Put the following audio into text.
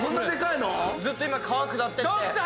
ずっと今川下ってって。